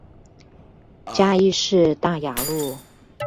嘉義市大雅路